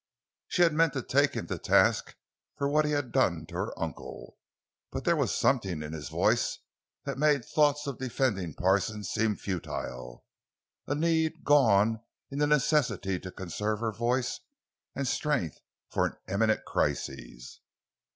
She had meant to take him to task for what he had done to her uncle, but there was something in his voice that made thoughts of defending Parsons seem futile—a need gone in the necessity to conserve her voice and strength for an imminent crisis.